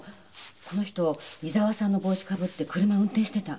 この人伊沢さんの帽子被って車運転してた。